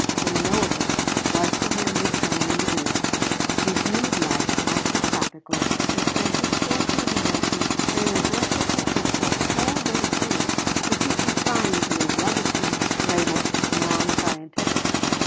The knowable was to him the only real. He viewed life microscopically and spent his portion of emotion in an aggressive hatred of all those things which he consigned to the rubbish heap labeled non scientific.